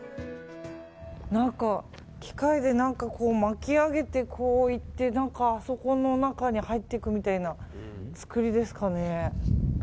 何か、機械で何か巻き上げてこういってあそこの中に入っていくみたいな作りですかね。